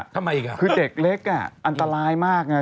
ทำไมอีกอ่ะคือเด็กเล็กอันตรายมากไง